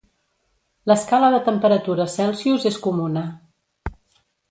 L'escala de temperatura Celsius és comuna.